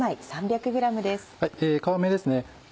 皮目ですね。